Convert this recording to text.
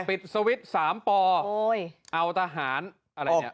ปิดสวิตซ์๓ปเอาทหารอะไรอย่างนี้